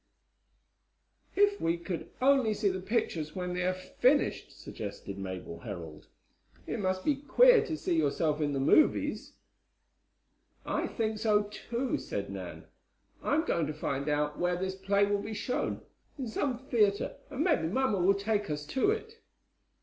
"If we could only see the pictures when they are finished," suggested Mabel Herold. "It must be queer to see yourself in the movies." "I think so, too," said Nan. "I'm going to find out where this play will be shown, in some theatre, and maybe mamma will take us to it."